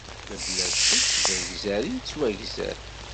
Mebla ccekk, d agzar i yettwagzer.